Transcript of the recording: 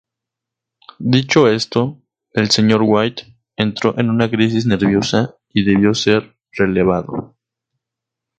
Dicho esto, el señor White entró en una crisis nerviosa y debió ser relevado.